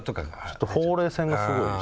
ちょっとほうれい線がすごいし。